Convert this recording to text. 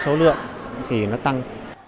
số lượng thì nó tăng